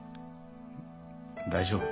大丈夫？